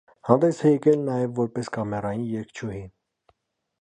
Հանդես է եկել նաև որպես կամերային երգչուհի։